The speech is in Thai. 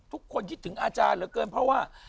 ทุกคนคิดถึงอาจารย์เหลือเกินเพราะว่า